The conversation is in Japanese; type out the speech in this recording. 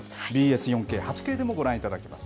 ＢＳ８Ｋでもご覧いただけます。